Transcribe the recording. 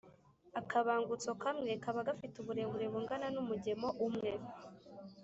akabangutso kamwe kaba gafite uburebure bungana n’umugemo umwe